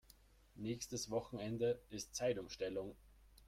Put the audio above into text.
Nächstes Wochenende ist Zeitumstellung.